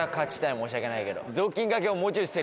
申し訳ないけど。